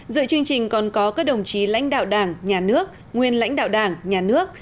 dựa chương trình còn có các đồng chí lãnh đạo đảng nhà nước nguyên lãnh đạo đảng nhà nước